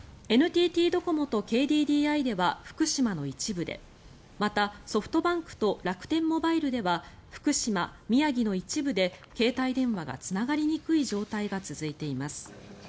ＮＴＴドコモとＫＤＤＩでは福島の一部でまた、ソフトバンクと楽天モバイルでは福島、宮城の一部で携帯電話がつながりにくい状態が続いています。